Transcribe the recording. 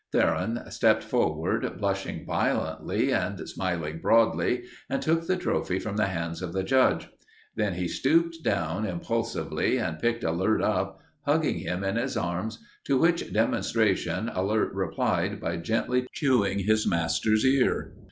Theron stepped forward, blushing violently and smiling broadly, and took the trophy from the hands of the judge. Then he stooped down impulsively and picked Alert up, hugging him in his arms, to which demonstration Alert replied by gently chewing his master's ear.